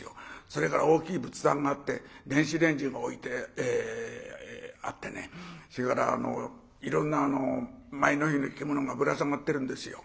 それから大きい仏壇があって電子レンジが置いてあってそれからいろんな前の日の着物がぶら下がってるんですよ。